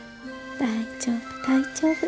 大丈夫大丈夫。